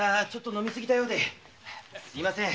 すみません。